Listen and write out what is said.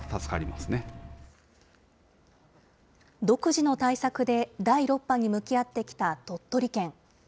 独自の対策で、第６波に向き合ってきた鳥取県。